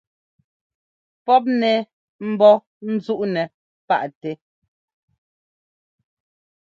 Pɔ́p nɛ mbɔ́ nzúʼnɛ paʼtɛ.